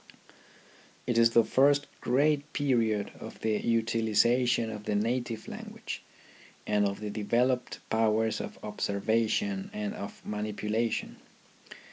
It is the first great period of the utilization of the native language, and of developed powers of observation and of manipula tion.